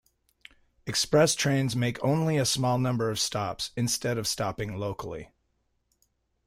Express trains make only a small number of stops, instead of stopping locally.